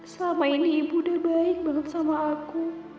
selama ini ibu udah baik banget sama aku